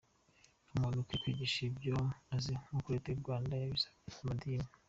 Umuntu akwiye kwigisha ibyo azi nkuko Leta y’ uRwanda yabisabye. abanyamadini.